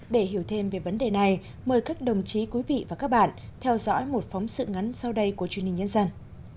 để hiểu thêm về vấn đề này mời các đồng chí quý vị và các bạn theo dõi một phóng sự ngắn sau đây của truyền hình nhân dân